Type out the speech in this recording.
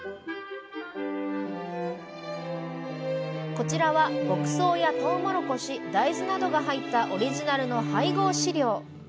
こちらは牧草やとうもろこし大豆などが入ったオリジナルの配合飼料。